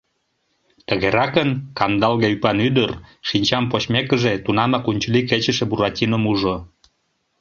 Тыгеракын, кандалге ӱпан ӱдыр, шинчам почмекыже, тунамак унчыли кечыше Буратином ужо.